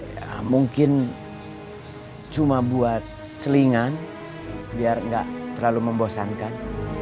ya mungkin cuma buat selingan biar nggak terlalu membosankan